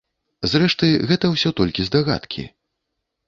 Зрэшты, гэта ўсё толькі здагадкі.